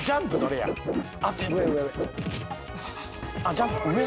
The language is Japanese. ジャンプ上？